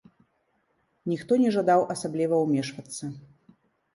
Ніхто не жадаў асабліва ўмешвацца.